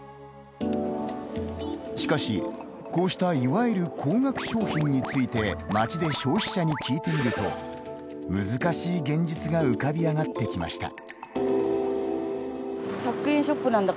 しかし、こうしたいわゆる高額商品について街で消費者に聞いてみると難しい現実が浮かび上がってきました。